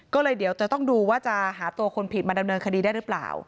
ก็เลยเดี๋ยวจะต้องดูว่าจะหาตัวคนผิดมาดำเนินคดีได้หรือเปล่า